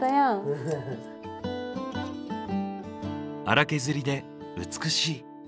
荒削りで美しい。